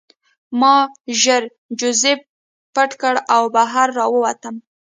ما ژر جوزف پټ کړ او بهر راووتم